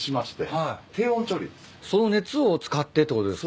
その熱を使ってってことですか？